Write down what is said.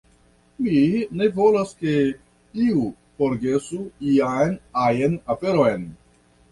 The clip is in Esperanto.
Mi ne volas ke iu forgesu ian ajn aferon.